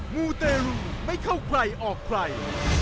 มูเตรูไม่เข้าใครออกใคร